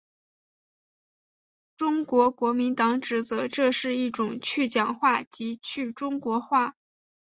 中国国民党指责这是一种去蒋化及去中国化。